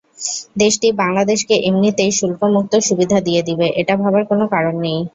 দেশটি বাংলাদেশকে এমনিতেই শুল্কমুক্ত সুবিধা দিয়ে দেবে, এটা ভাবার কোনো কারণ নেই।